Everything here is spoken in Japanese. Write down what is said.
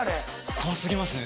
怖過ぎますね。